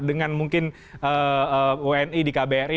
dengan mungkin wni di kbri